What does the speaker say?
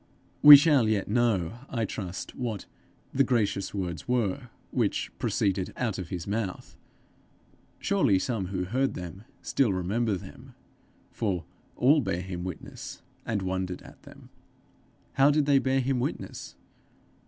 We shall yet know, I trust, what 'the gracious words' were 'which proceeded out of his mouth': surely some who heard them, still remember them, for 'all bare him witness, and wondered at' them! How did they bear him witness?